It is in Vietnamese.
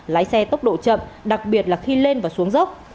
lái xe tốc độ chậm đặc biệt là khi lên và xuống dốc